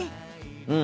うん。